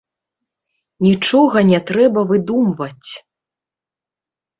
Нічога не трэба выдумваць.